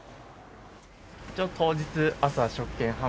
一応当日朝食券販売。